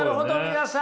皆さん！